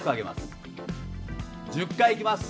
１０回いきます